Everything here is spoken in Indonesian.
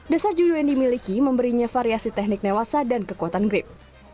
dasar judo yang dimiliki memberinya variasi teknik newasa dan kekuatan grip